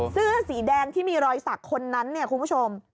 เสื้อสีแดงที่มีรอยสักคนนั้นเนี่ยคุณผู้ชม